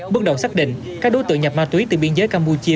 bước đầu xác định các đối tượng nhập ma túy từ biên giới campuchia